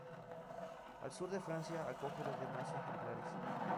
El sur de Francia acoge a los demás ejemplares.